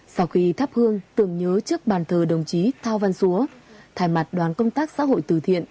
sau khi thắp hương tưởng nhớ trước bàn thờ đồng chí thao văn xúa thay mặt đoàn công tác xã hội từ thiện